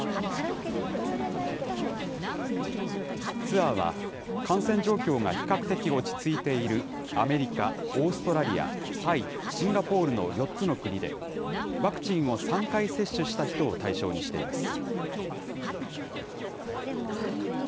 ツアーは、感染状況が比較的落ち着いているアメリカ、オーストラリア、タイ、シンガポールの４つの国で、ワクチンを３回接種した人を対象にしています。